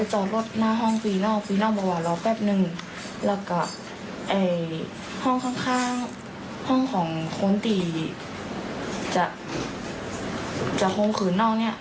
ห้องข้างห้องของคนตีจากฮงคืนนอกนี่